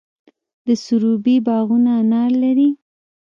د سروبي باغونه انار لري.